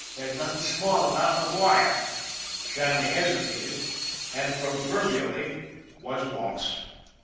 There's nothing small about MacGuire." Shanley hesitated, and, proverbially, was lost.